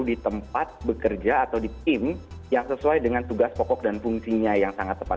di tempat bekerja atau di tim yang sesuai dengan tugas pokok dan fungsinya yang sangat tepat